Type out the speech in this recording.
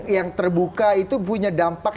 yang terbuka itu punya dampak